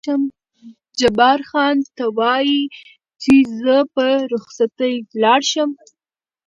جبار خان: ته وایې چې زه په رخصتۍ ولاړ شم؟